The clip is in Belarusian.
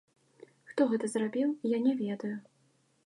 Хто гэта зрабіў, я не ведаю.